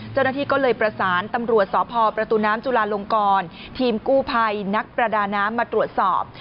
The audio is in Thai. เจ้าหน้าที่ก็เลยประสานตำรวจสพประตูน้ำจุลาลงกรทีมกู้ภัยนักประดาน้ำมาตรวจสอบ